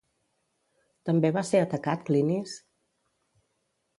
També va ser atacat Clinis?